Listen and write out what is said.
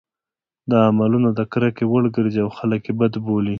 دا عملونه د کرکې وړ وګرځي او خلک یې بد بولي.